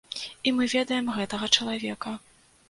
І мы ведаем гэтага чалавека.